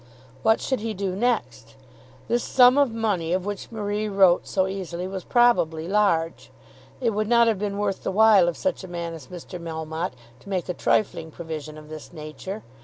What should he do next? This sum of money of which Marie wrote so easily was probably large. It would not have been worth the while of such a man as Mr. Melmotte to make a trifling provision of this nature.